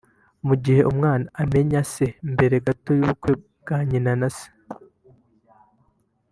mu gihe umwana amenya se mbere gato y’ubukwe bwa nyina na se